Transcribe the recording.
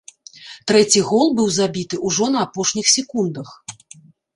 Трэці гол быў забіты ўжо на апошніх секундах.